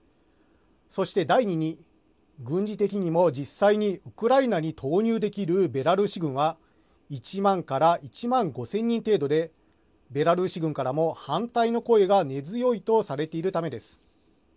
そして第２に軍事的にも実際にウクライナに投入できるベラルーシ軍は１万から１万５０００人程度でベラルーシ軍からも反対の声が根強いとされているためです。